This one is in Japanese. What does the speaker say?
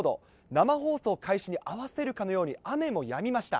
生放送開始に合わせるかのように、雨もやみました。